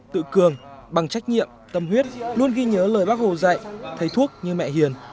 tự cường bằng trách nhiệm tâm huyết luôn ghi nhớ lời bác hồ dạy thầy thuốc như mẹ hiền